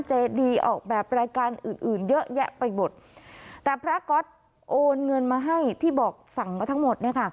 จดีออกแบบรายการอื่นเยอะแยะไปบดแต่พระกฎโอนเงินมาให้ที่บอกสั่งมาทั้งหมด